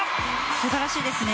素晴らしいですね。